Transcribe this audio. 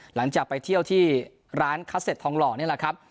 หลังจากไปเที่ยวที่ร้านคาเซ็ตทองหล่อนี่แหละครับ